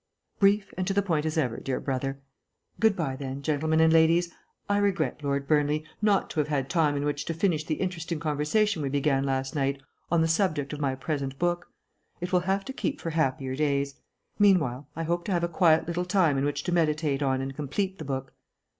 "Brief and to the point as ever, dear brother. Good bye, then, gentlemen and ladies. I regret, Lord Burnley, not to have had time in which to finish the interesting conversation we began last night on the subject of my present book. It will have to keep for happier days. Meanwhile, I hope to have a quiet little time in which to meditate on and complete the book."